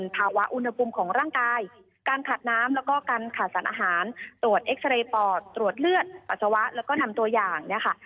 ต่อตรวจเลือดปัจจวะแล้วก็ทำตัวอย่าง